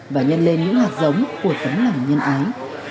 và nhân lên những hạt giống của tấm lòng nhân ái